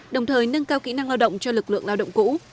đồng thời nâng cao kỹ năng lao động cho lực lượng lao động cũ